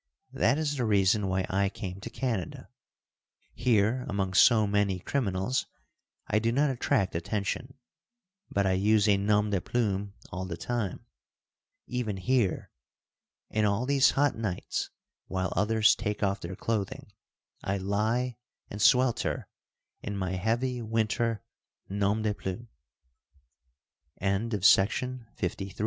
That is the reason why I came to Canada. Here among so many criminals, I do not attract attention, but I use a nom de plume all the time, even here, and all these hot nights, while others take off their clothing, I lie and swelter in my heavy winter nom de plume. The Old Subscriber.